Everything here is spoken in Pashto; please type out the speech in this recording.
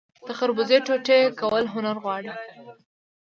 د خربوزې ټوټې کول هنر غواړي.